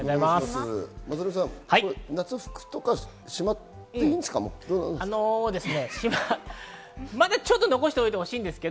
夏服とか、しまっていいんですか？